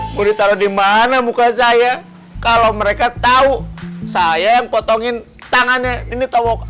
boleh taruh di mana muka saya kalau mereka tahu saya yang potongin tangannya nini tawong